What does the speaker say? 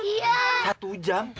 iya satu jam